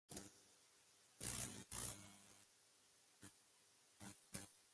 Cabe decir que era primo de Carlomagno.